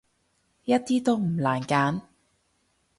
一啲都唔難揀